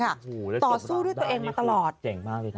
โอ้โฮได้จบมาด้านนี้เขาเจ๋งมากเลยนะต่อสู้ด้วยตัวเองมาตลอด